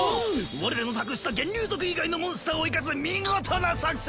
我らの託した幻竜族以外のモンスターを生かすみごとな作戦！